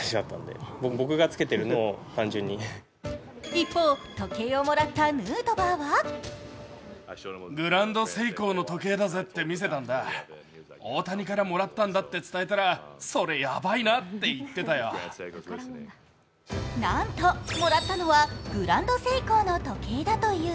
一方、時計をもらったヌートバーはなんと！もらったのはグランドＳＥＩＫＯの時計だという。